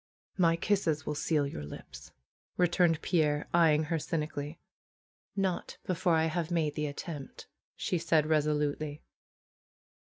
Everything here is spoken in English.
^^My kisses will seal your lips," returned Pierre, eye ing her cynically. ^^Not before I have made the attempt," said she, res olutely.